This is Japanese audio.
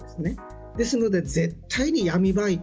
ですので、絶対に闇バイト